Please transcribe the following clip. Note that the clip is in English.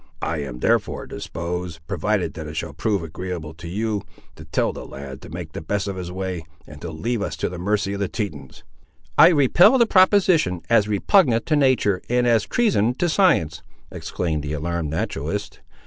I am therefore disposed, provided that it shall prove agreeable to you, to tell the lad to make the best of his way, and to leave us to the mercy of the Tetons." "I repel the proposition, as repugnant to nature, and as treason to science!" exclaimed the alarmed naturalist.